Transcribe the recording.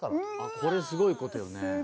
これはすごいことよね。